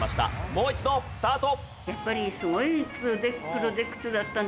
もう一度スタート。